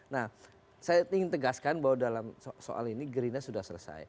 nah saya ingin tegaskan bahwa dalam soal ini gerindra sudah selesai